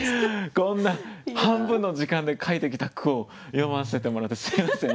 こんな半分の時間で書いてきた句を詠ませてもらってすみません本当に。